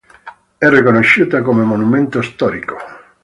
È riconosciuta come monumento storico.